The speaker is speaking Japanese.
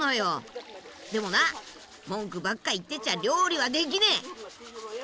でもな文句ばっか言ってちゃ料理はできねぇ。